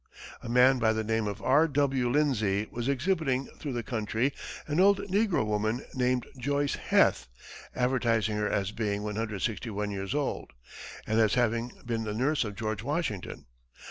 A man by the name of R. W. Lindsay was exhibiting through the country an old negro woman named Joice Heth, advertising her as being 161 years old, and as having been the nurse of George Washington.